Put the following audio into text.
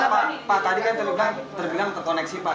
pak tadi kan terluka terbilang untuk koneksi pak